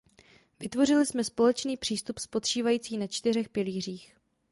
Vytvořili jsme společný přístup spočívající na čtyřech pilířích.